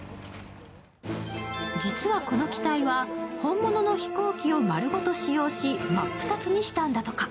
実は、この機体は本物の飛行機を丸ごと使用し、真っ二つにしたんだとか。